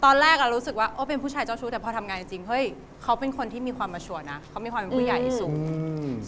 ตอนแรกอ่ะรู้สึกว่าโอ้เป็นผู้ชายเจ้าชู้แต่พอทำงานจริงเฮ้ยเขาเป็นคนที่มีความมาชัวร์นะเขามีความเป็นผู้ใหญ่สูง